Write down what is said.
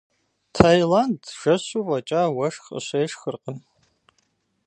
Таиланд жэщу фӏэкӏа уэшх къыщешхыркъым.